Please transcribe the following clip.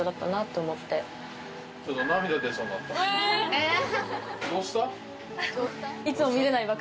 えっ？